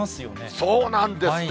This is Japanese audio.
そうなんですね。